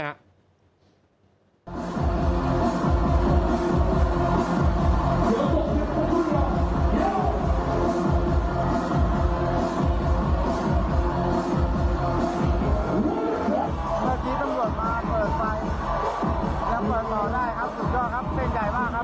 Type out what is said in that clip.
เมื่อกี้ตำรวจมาเปิดไฟระเบิดมาได้ครับสุดยอดครับเส้นใหญ่มากครับ